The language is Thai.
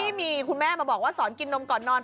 ที่มีคุณแม่มาบอกว่าสอนกินนมก่อนนอน